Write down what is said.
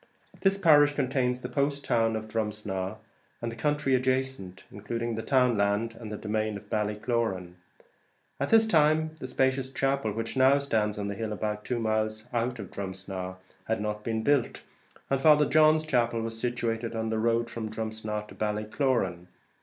This parish contains the post town of Drumsna and the country adjacent, including the town land and demesne of Ballycloran. At this time the spacious chapel which now stands on the hill about two miles out of Drumsna had not been built, and Father John's chapel was situated on the road from Drumsna to Ballycloran.